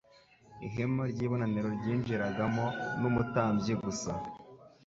ihema ry ibonaniro ry'injiragamo numutambyi gusa